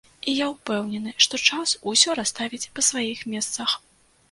І я ўпэўнены, што час усё расставіць па сваіх месцах.